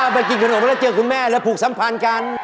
ไปกินขนมมาแล้วเจอคุณแม่แล้วผูกสัมพันธ์กัน